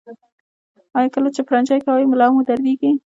ایا کله چې پرنجی کوئ ملا مو دردیږي؟